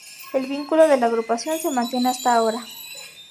El vínculo con la Agrupación se mantiene hasta ahora.